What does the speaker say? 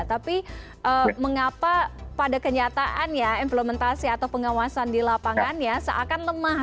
tapi mengapa pada kenyataannya implementasi atau pengawasan di lapangannya seakan lemah